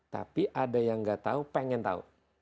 tapi ada yang nggak tahu pengen tahu